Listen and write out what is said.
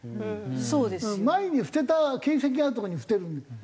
前に捨てた形跡があるとこに捨てるんだよ。